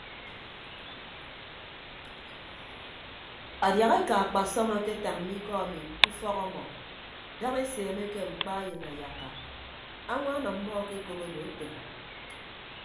Adiahaeka akpasọm aketañ mme ikọ emi ke ufọk ọmọ daña eseemeke mkpa eyịn ayakka añwaan ọmmọ akekop odo ete.